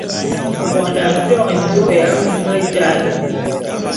Mvondo a nto njôô ya ngume jal.